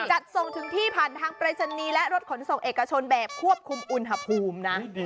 จัดส่งถึงที่ผ่านทางปรายศนีย์และรถขนส่งเอกชนแบบควบคุมอุณหภูมินะ